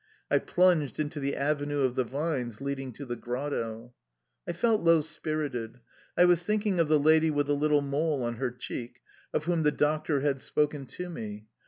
I plunged into the avenue of the vines leading to the grotto. I felt low spirited. I was thinking of the lady with the little mole on her cheek, of whom the doctor had spoken to me...